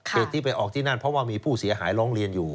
เหตุที่ไปออกที่นั่นเพราะว่ามีผู้เสียหายร้องเรียนอยู่